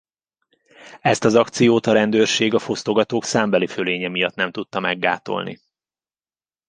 Ezt az akciót a rendőrség a fosztogatók számbeli fölénye miatt nem tudta meggátolni.